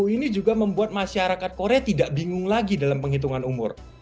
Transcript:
ini juga membuat masyarakat korea tidak bingung lagi dalam penghitungan umur